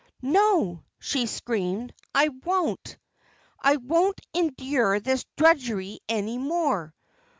"No!" she screamed. "I won't! I won't endure this drudgery any more!